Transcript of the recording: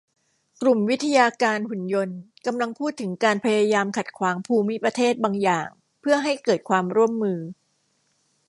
กลุ่มวิทยาการหุ่นยนต์กำลังพูดถึงการพยายามขัดขวางภูมิประเทศบางอย่างเพื่อให้เกิดความร่วมมือ